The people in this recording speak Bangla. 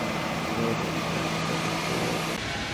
আর একবার সেটা ঘটলে, আমাদের দেহ অতিরিক্ত কসমিক এনার্জি জমিয়ে রাখবে।